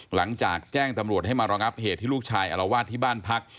หลังจากแจ้งตำรวจให้มาระงับเหตุที่ลูกชายอารวาสที่บ้านพัก